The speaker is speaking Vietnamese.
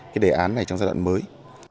cái đề án này trong giai đoạn mới